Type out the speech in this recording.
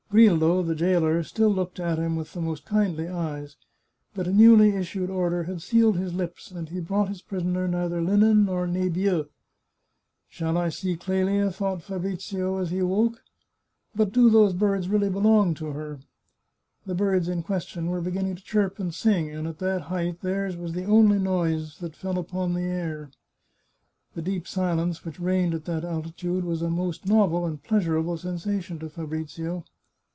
Grillo, the jailer, still looked at him with the most kindly eyes, but a newly issued order had sealed his lips, and he brought his prisoner neither linen nor nebieu. " Shall I see Clelia ?" thought Fabrizio as he woke. " But do those birds really belong to her ?" The birds in question were beginning to chirp and sing, and at that height, theirs was the only noise that fell upon the air. The deep silence which reigned at that altitude was a most novel and pleasurable sensation to Fabrizio.